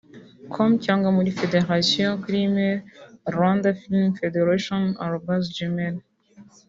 com cyangwa mur Federation kuri email rwandafilmfederation@gmail